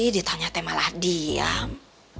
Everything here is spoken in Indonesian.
ditanya malah diam